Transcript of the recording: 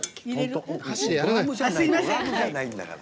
ドラムじゃないんだから。